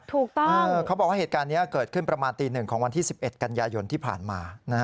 ถูกต้องเขาบอกว่าเหตุการณ์นี้เกิดขึ้นประมาณตี๑ของวันที่๑๑กันยายนที่ผ่านมา